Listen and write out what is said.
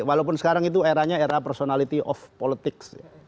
walaupun sekarang itu eranya era personality of politics